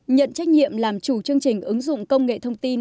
nhận trách nhiệm làm chủ chương trình ứng dụng công nghệ thông tin